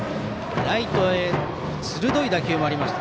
ライトへの鋭い打球もありました。